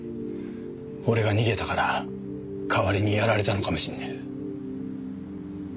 俺が逃げたから代わりにやられたのかもしれねえ。